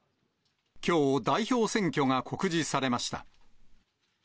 きょう、代表選挙が告示されました。